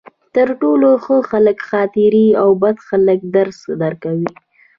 تر ټولو ښه خلک خاطرې او بد خلک درس درکوي.